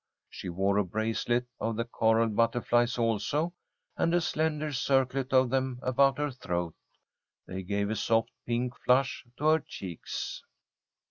She wore a bracelet of the coral butterflies also, and a slender circlet of them about her throat. They gave a soft pink flush to her cheeks.